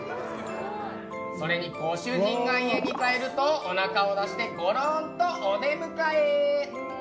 それに、ご主人が家に帰るとおなかを出してゴローンとお出迎え。